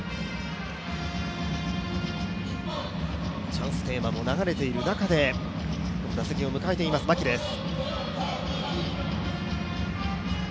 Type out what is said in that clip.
チャンステーマも流れている中で打席を迎えている牧です。